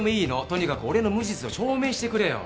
とにかく俺の無実を証明してくれよ。